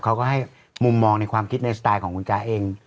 เขาก็ให้มุมมองสตาลไม้คุณดูหลังคิดของคุณค๊อตเอง